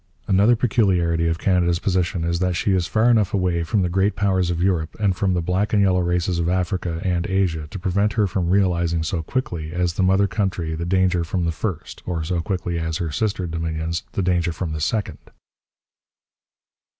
Another peculiarity of Canada's position is that she is far enough away from the great powers of Europe and from the black and yellow races of Africa and Asia to prevent her from realizing so quickly as the mother country the danger from the first, or so quickly as her sister dominions the danger from the second.